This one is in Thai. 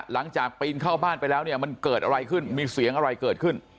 ปีนเข้าบ้านไปแล้วเนี่ยมันเกิดอะไรขึ้นมีเสียงอะไรเกิดขึ้น